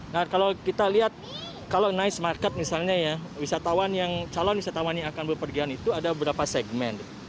nah kalau kita lihat kalau nice market misalnya ya wisatawan yang calon wisatawan yang akan berpergian itu ada berapa segmen